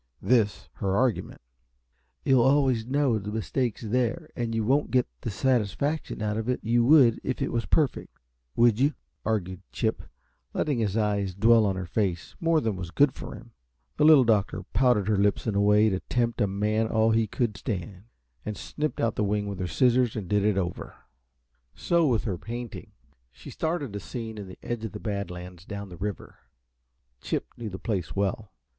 This, her argument. "You'll always know the mistake's there, and you won't get the satisfaction out of it you would if it was perfect, would you?" argued Chip, letting his eyes dwell on her face more than was good for him. The Little Doctor pouted her lips in a way to tempt a man all he could stand, and snipped out the wing with her scissors and did it over. So with her painting. She started a scene in the edge of the Bad Lands down the river. Chip knew the place well.